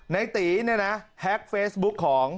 ในตีเนี่ยนะแฮ็กเฟซบุ๊คของ